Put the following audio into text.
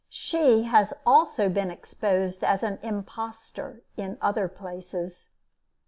She has also been exposed as an impostor in other places.